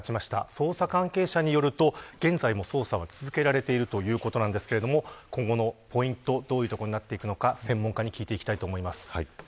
捜査関係者によると現在も捜査は続けられているということなんですけれども今後のポイントどういうところになっていくのか専門家に聞いていきたいと思います。